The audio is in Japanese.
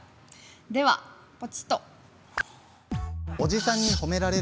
ではポチッと！